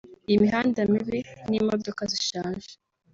imihanda mibi n’imodoka zishaje